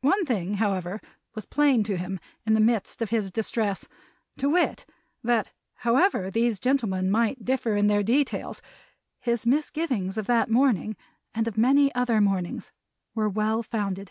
One thing, however, was plain to him, in the midst of his distress; to wit, that however these gentlemen might differ in details, his misgivings of that morning, and of many other mornings, were well founded.